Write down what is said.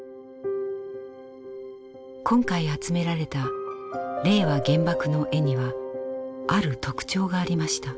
今回集められた「令和原爆の絵」にはある特徴がありました。